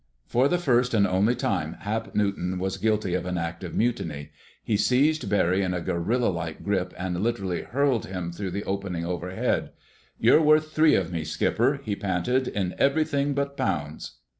For the first and only time, Hap Newton was guilty of an act of mutiny. He seized Barry in a gorilla like grip and literally hurled him through the opening overhead. "You're worth three of me, Skipper," he panted, "in everything but pounds!"